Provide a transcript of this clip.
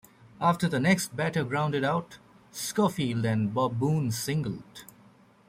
After the next batter grounded out, Schofield and Bob Boone singled.